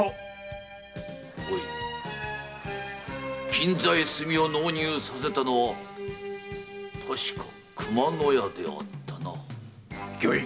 金座へ炭を納入させたのはたしか熊野屋だったな？